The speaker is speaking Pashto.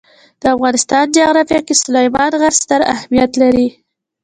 د افغانستان جغرافیه کې سلیمان غر ستر اهمیت لري.